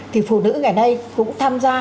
thì phụ nữ ngày nay cũng tham gia